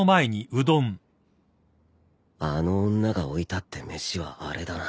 あの女が置いたって飯はあれだな